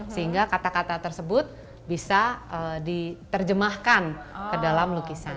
sehingga kata kata tersebut bisa diterjemahkan ke dalam lukisan